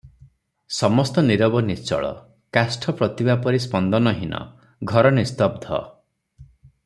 ସମସ୍ତ ନୀରବ ନିଶ୍ଚଳ, କାଷ୍ଠ ପ୍ରତିମା ପରି ସ୍ପନ୍ଦନହୀନ, ଘର ନିସ୍ତବ୍ଧ ।